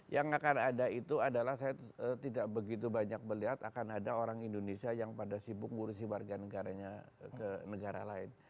yang akan ada itu adalah saya tidak begitu banyak melihat akan ada orang indonesia yang pada sibuk ngurusi warga negaranya ke negara lain